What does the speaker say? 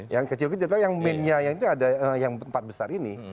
yang kecil kecil yang mainnya yang itu ada yang empat besar ini